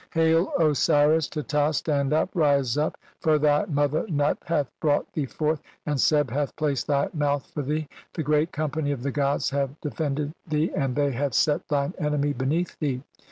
"Hail, Osiris Teta, stand up, rise up, for thy mo "ther Nut hath brought thee forth, and Seb hath "placed thy mouth for thee. The Great Company of "the gods have defended thee, and they have set "thine enemy beneath thee.